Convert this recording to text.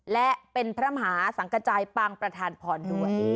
และเป็นพระมหาสังกระจายปางประธานพรด้วย